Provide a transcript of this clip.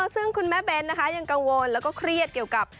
ซึ่งคุณแม่เบ้นนะคะยังกังวลแล้วก็เครียดเกี่ยวกับ